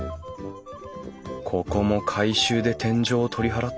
ここも改修で天井を取り払ったのかな